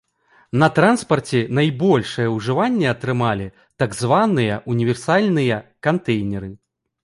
На транспарце найбольшае ўжыванне атрымалі так званыя універсальныя кантэйнеры.